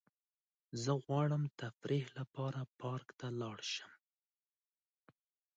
زه غواړم تفریح لپاره پارک ته لاړ شم.